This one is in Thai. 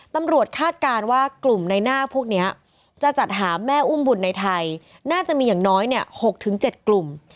คาดการณ์ว่ากลุ่มในหน้าพวกนี้จะจัดหาแม่อุ้มบุญในไทยน่าจะมีอย่างน้อย๖๗กลุ่ม